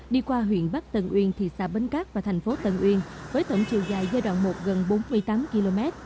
đi qua huyện bắc tân uyên thị xã bến cát và thành phố tân uyên với tổng chiều dài giai đoạn một gần bốn mươi tám km